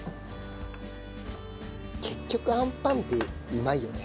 結局アンパンってうまいよね。